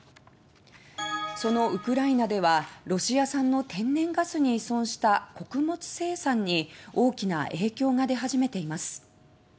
そのウクライナではロシア産の天然ガスに依存した穀物生産に大きな影響が出始めています。